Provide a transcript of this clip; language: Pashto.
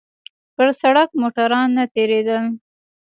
پر سړک موټران نه تېرېدل.